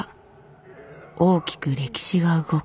大きく歴史が動く。